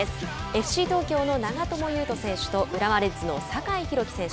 ＦＣ東京の長友佑都選手と浦和レッズの酒井宏樹選手。